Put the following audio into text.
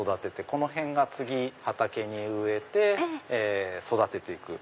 この辺が次畑に植えて育てて行く。